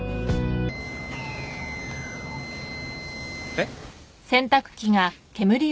えっ？